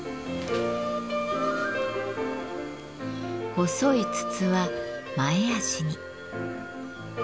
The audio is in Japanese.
細い筒は前足に。